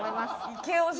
イケオジ！